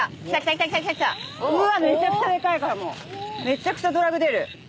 めちゃくちゃドラグ出る。